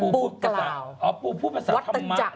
ปูพูดภาษาธรรมะ